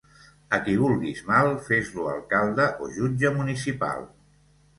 A qui vulguis mal, fes-lo alcalde o jutge municipal.